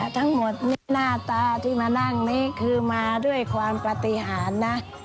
ทั้งหมดหน้าตาที่มานั่งนี้คือมาด้วยความปฏิหารนะ